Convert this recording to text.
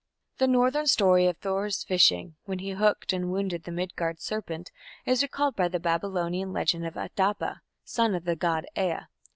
The northern story of Thor's fishing, when he hooked and wounded the Midgard serpent, is recalled by the Babylonian legend of Adapa, son of the god Ea.